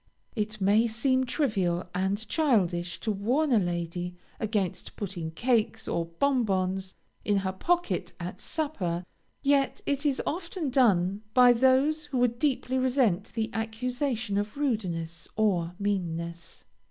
It may seem trivial and childish to warn a lady against putting cakes or bon bons in her pocket at supper, yet it is often done by those who would deeply resent the accusation of rudeness or meanness.